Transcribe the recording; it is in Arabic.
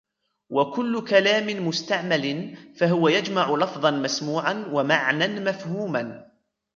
وَكُلُّ كَلَامٍ مُسْتَعْمَلٍ فَهُوَ يَجْمَعُ لَفْظًا مَسْمُوعًا وَمَعْنًى مَفْهُومًا